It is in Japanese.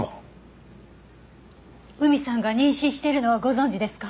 海さんが妊娠してるのはご存じですか？